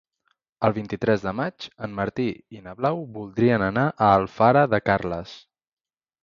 El vint-i-tres de maig en Martí i na Blau voldrien anar a Alfara de Carles.